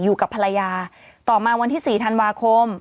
อยู่กับภรรยาต่อมาวันที่๔ธันวาคม